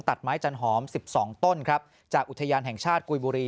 ตัดไม้จันหอม๑๒ต้นครับจากอุทยานแห่งชาติกุยบุรี